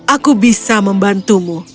aku bisa membantumu